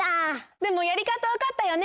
でもやりかたわかったよね！